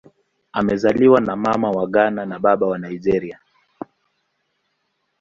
Amezaliwa na Mama wa Ghana na Baba wa Nigeria.